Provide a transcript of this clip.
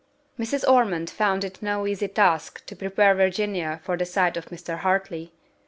Mrs. Ormond found it no easy task to prepare Virginia for the sight of Mr. Hartley.